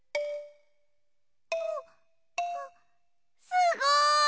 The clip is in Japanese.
すごい！